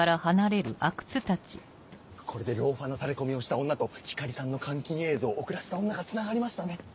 これでローファーのタレコミをした女と光莉さんの監禁映像を送らせた女がつながりましたね。